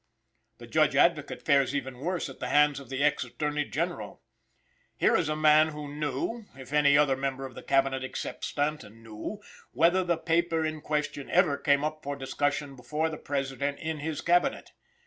The Judge Advocate fares even worse at the hands of the Ex Attorney General. Here is a man who knew, if any other member of the Cabinet except Stanton knew, whether the paper in question ever came up for discussion before the President in his Cabinet.